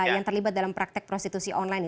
yang terlibat dalam praktek proses institusi online